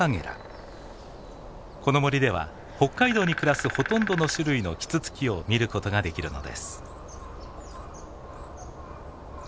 この森では北海道に暮らすほとんどの種類のキツツキを見ることができるのです。